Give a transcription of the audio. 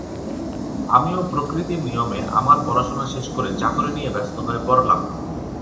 আমিও প্রকৃতির নিয়মে আমার পড়াশোনা শেষ করে চাকরি নিয়ে ব্যস্ত হয়ে পড়লাম।